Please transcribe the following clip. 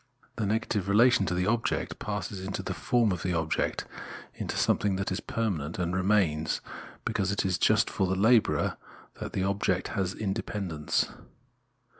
The negative relation to the object passes into the form of the object, into something that is per manent and remains ; because it is just for the labourer that the object has independence.